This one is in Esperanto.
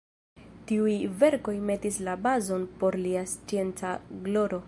Tiuj verkoj metis la bazon por lia scienca gloro.